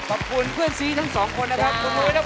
ขอบคุณเพื่อนซีทั้งสองคนนะครับ